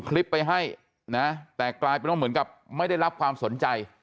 คลิปไปให้นะแต่กลายเป็นว่าเหมือนกับไม่ได้รับความสนใจ